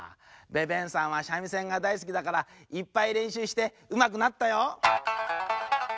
ベベンさんはしゃみせんがだいすきだからいっぱいれんしゅうしてうまくなったよ。